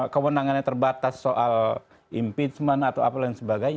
kewenangannya terbatas soal impeachment atau apa lain sebagainya